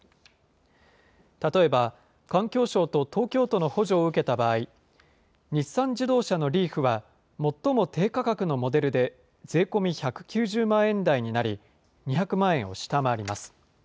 例えば、環境省と東京都の補助を受けた場合、日産自動車のリーフは、最も低価格のモデルで税込み１９０万円台になり、２００万円を下回ります。